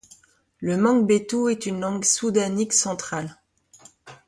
Le mangbetu est une langue soudanique centrale.